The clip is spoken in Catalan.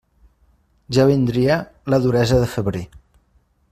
Ja vindria la duresa de febrer.